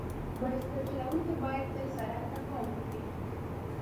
بایسکل چلونکي باید تل سړک ته پام وکړي.